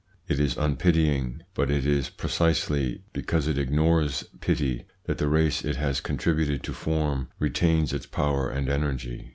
It is unpitying ; but it is precisely because it ignores pity that the race it has con tributed to form retains its power and energy.